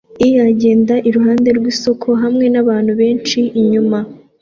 i agenda iruhande rwisoko hamwe nabantu benshi inyuma